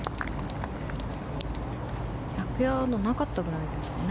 １００ヤードなかったくらいですかね。